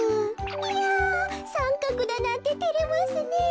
いやさんかくだなんててれますねえ。